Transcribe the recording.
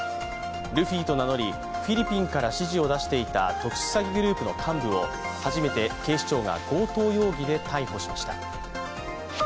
ルフィと名乗りフィリピンから指示を出していた特殊詐欺グループの幹部を初めて警視庁が強盗容疑で逮捕しました。